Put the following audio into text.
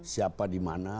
siapa di mana